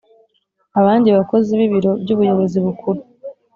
Abandi bakozi b ibiro by ubuyobozi bukuru